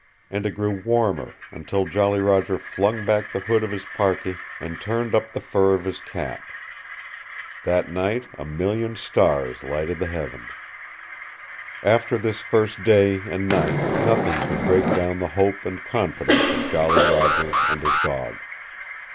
And it grew warmer, until Jolly Roger flung back the hood of his parkee and turned up the fur of his cap. That night a million stars lighted the heaven. After this first day and night nothing could break down the hope and confidence of Jolly Roger and his, dog.